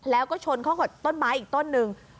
แล้วก็ชนเข้ากับต้นไม้อีกต้นหนึ่ง